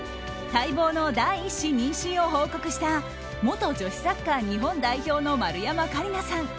待望の第１子妊娠を報告した元女子サッカー日本代表の丸山桂里奈さん。